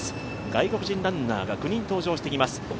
外国人ランナーが９人登場してきます。